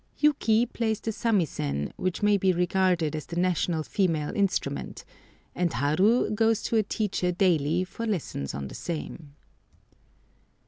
Yuki plays the samisen, which may be regarded as the national female instrument, and Haru goes to a teacher daily for lessons on the same.